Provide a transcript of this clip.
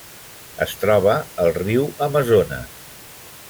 Es troba al riu Amazones.